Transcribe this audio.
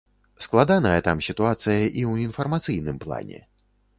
Складаная там сітуацыя і ў інфармацыйным плане.